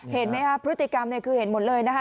เห็นไหมครับพฤติกรรมคือเห็นหมดเลยนะคะ